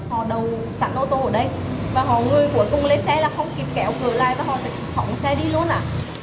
họ đầu sẵn ô tô ở đây và họ người cuối cùng lên xe là không kịp kéo cửa lại và họ sẽ phóng xe đi luôn ạ